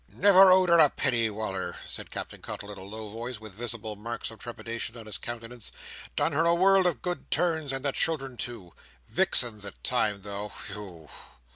"Never owed her a penny, Wal"r," said Captain Cuttle, in a low voice, and with visible marks of trepidation on his countenance. "Done her a world of good turns, and the children too. Vixen at times, though. Whew!"